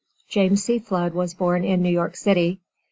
James C. Flood was born in New York city.